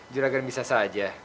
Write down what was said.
juragan bisa saja